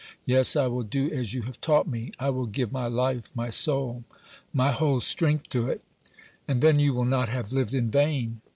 Yes, I will do as you have taught me. I will give my life, my soul, my whole strength to it; and then you will not have lived in vain."